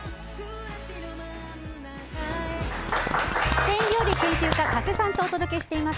スペイン料理研究家加瀬さんとお届けしています